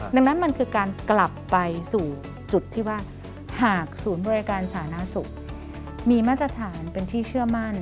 ดังนั้นมันคือการกลับไปสู่จุดที่ว่าหากศูนย์บริการสาธารณสุขมีมาตรฐานเป็นที่เชื่อมั่น